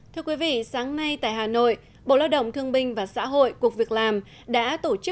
thưa quý vị sáng nay tại hà nội bộ lao động thương binh và xã hội cuộc việc làm đã tổ chức